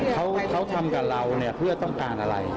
เขาทำกับเราเนี่ยเพื่อต้องการอะไร